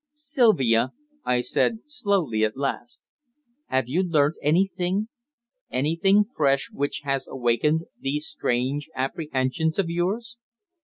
"Sylvia," I said slowly at last, "have you learnt anything anything fresh which has awakened these strange apprehensions of yours?"